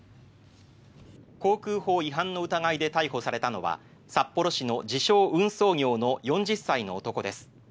航空法違反の疑いで逮捕されたのは札幌市の自称・運送業の４０歳の男です。